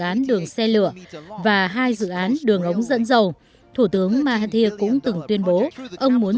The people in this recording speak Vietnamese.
án đường xe lửa và hai dự án đường ống dẫn dầu thủ tướng mahathir cũng từng tuyên bố ông muốn